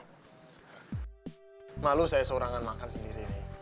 saya malu seorang yang makan sendiri